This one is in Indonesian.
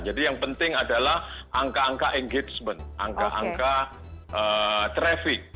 jadi yang penting adalah angka angka engagement angka angka traffic